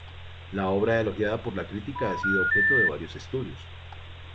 La obra, elogiada por la crítica, ha sido objeto de varios estudios.